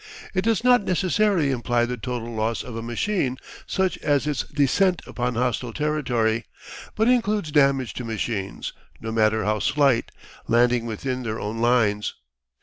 It does not necessarily imply the total loss of a machine, such as its descent upon hostile territory, but includes damage to machines, no matter how slight, landing within their own lines.